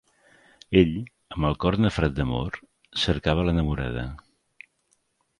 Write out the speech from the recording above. Ell, amb el cor nafrat d'amor, cercava l'enamorada.